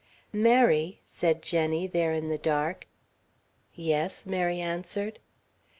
"Mary!" said Jenny, there in the dark. "Yes," Mary answered.